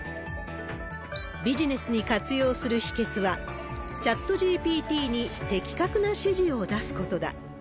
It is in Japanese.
ビジネスに活用する秘けつは、チャットＧＰＴに的確な指示を出すことだ。